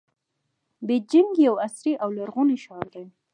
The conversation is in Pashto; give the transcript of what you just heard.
بیجینګ یو عصري او لرغونی ښار دی.